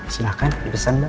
silahkan dipesan mbak